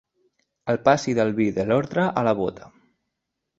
El passi del vi de l'odre a la bóta.